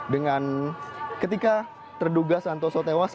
dengan ketika terduga santoso tewas